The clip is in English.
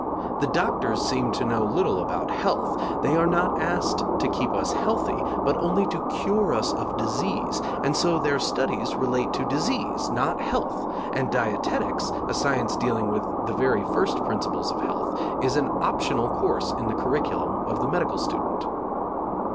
The doctors seem to know little about health; they are not asked to keep us healthy, but only to cure us of disease, and so their studies relate to disease, not health; and dietetics, a science dealing with the very first principles of health, is an optional course in the curriculum of the medical student.